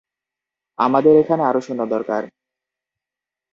আমাদের এখানে আরো সৈন্য দরকার!